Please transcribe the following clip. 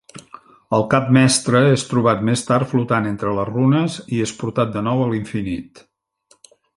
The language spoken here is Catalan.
El cap mestre és trobat més tard flotant entre les runes, i és portat de nou a l'"infinit".